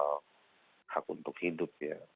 soal hak untuk hidup ya